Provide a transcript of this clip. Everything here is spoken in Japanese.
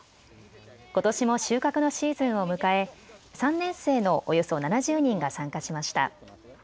ことしも収穫のシーズンを迎え３年生のおよそ７０人が参加しました。